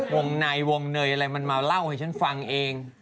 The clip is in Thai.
วงในวงเนยอะไรมันมาเล่าให้ฉันฟังเอง